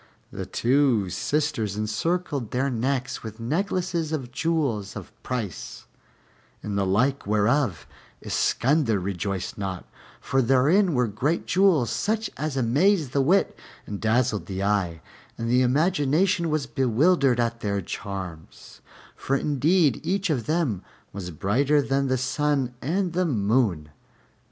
And the two sisters encircled their necks with necklaces of jewels of price, in the like whereof Iskander rejoiced not, for therein were great jewels such as amazed the wit and dazzled the eye; and the imagination was bewildered at their charms, for indeed each of them was brighter than the sun and the moon.